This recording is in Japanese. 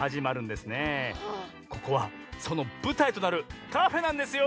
ここはそのぶたいとなるカフェなんですよ！